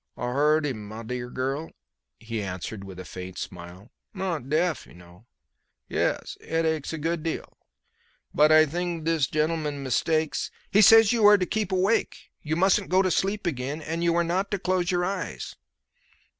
"I heard him, m'dear girl," he answered with a faint smile. "Not deaf you know. Yes. Head aches a good deal. But I thing this gennleman mistakes " "He says you are to keep awake. You mustn't go to sleep again, and you are not to close your eyes."